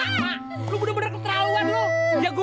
ga tembak bener ketrawan elu